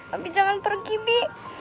abi jangan pergi bi